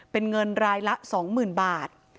เป็นเงินรายละ๒๐๐๐บาท